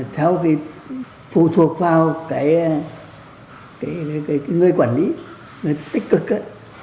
theo cái phụ thuộc vào cái người quản lý người tích cực ấy